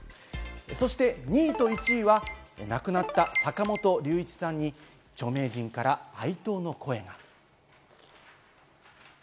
そして２位と１位は亡くなった坂本龍一さんに著名人から哀悼の声が。